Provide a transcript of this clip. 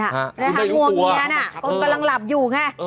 งัวเงียน่ะคนกำลังหลับอยู่ไง